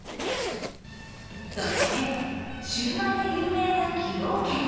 そして、シウマイで有名な崎陽軒。